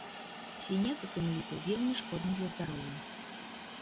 Свінец у тым ліку вельмі шкодны для здароўя.